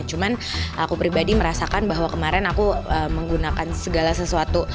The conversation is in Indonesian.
cuman aku pribadi merasakan bahwa kemarin aku menggunakan segala sesuatu